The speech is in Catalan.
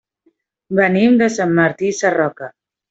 Venim de Sant Martí Sarroca.